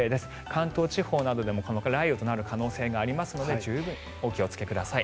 関東地方などでも雷雨となる可能性がありますので十分お気をつけください。